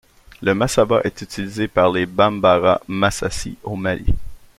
Le masaba est utilisé par les Bambara-Masasi au Mali.